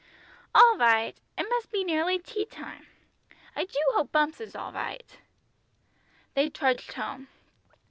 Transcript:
"All right! It must be nearly tea time. I do hope Bumps is all right!" They trudged home.